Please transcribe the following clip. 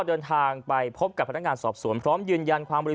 เนื่องจากว่าอยู่ระหว่างการรวมพญาหลักฐานนั่นเองครับ